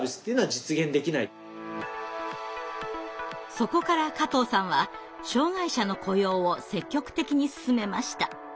そこから加藤さんは障害者の雇用を積極的に進めました。